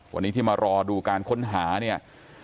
วันนี้ที่มารอดูการค้นหาเนี่ย